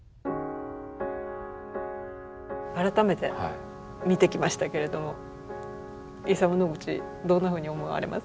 改めて見てきましたけれどもイサム・ノグチどんなふうに思われます？